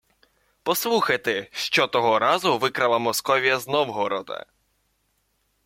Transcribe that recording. Послухайте, що того разу викрала Московія з Новгорода: